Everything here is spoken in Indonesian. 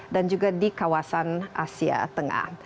dan juga di kawasan asia tengah